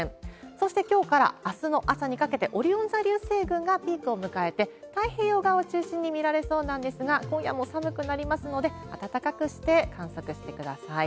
そして、きょうからあすの朝にかけて、オリオン座流星群がピークを迎えて、太平洋側を中心に見られそうなんですが、今夜も寒くなりますので、温かくして観測してください。